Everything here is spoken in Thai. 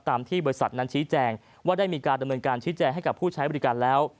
ที่บริษัทนั้นชี้แจงว่าได้มีการดำเนินการชี้แจงให้กับผู้ใช้บริการแล้ว